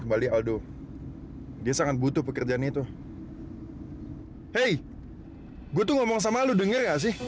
bisa kan pekerjaan aldo lagi